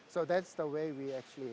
jadi itu cara kami menghadapi